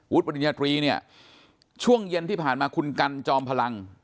ปริญญาตรีเนี่ยช่วงเย็นที่ผ่านมาคุณกันจอมพลัง